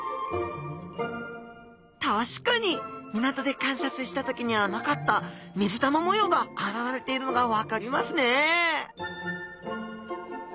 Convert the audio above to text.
確かに港で観察した時にはなかった水玉模様があらわれているのが分かりますね